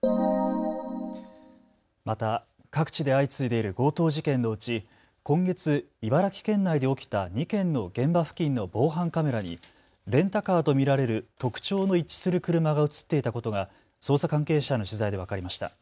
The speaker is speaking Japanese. また各地で相次いでいる強盗事件のうち、今月、茨城県内で起きた２件の現場付近の防犯カメラにレンタカーと見られる特徴の一致する車が写っていたことが捜査関係者への取材で分かりました。